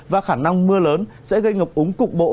và khả năng mưa lớn sẽ gây ngập úng cục bộ